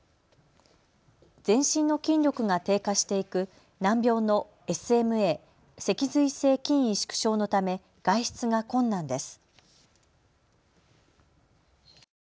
全身の筋力が低下していく難病のＳＭＡ・脊髄性筋萎縮症のため外出が困難です。